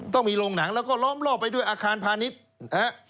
ต้องมีโรงหนังแล้วก็ล้อมรอบไปด้วยอาคารพาณิชย์นะฮะ